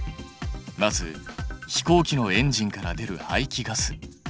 まず飛行機のエンジンから出る排気ガス。